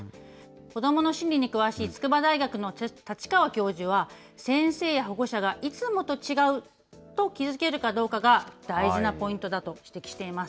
子どもの心理に詳しい筑波大学の太刀川教授は、先生や保護者がいつもと違うと気付けるかどうかが大事なポイントだと指摘しています。